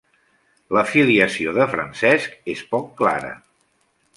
La filiació de Francesc és poc clara.